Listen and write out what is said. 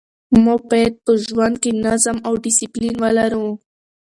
موږ باید په ژوند کې نظم او ډسپلین ولرو.